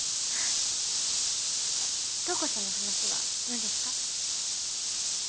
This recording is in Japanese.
あっ瞳子さんの話は何ですか？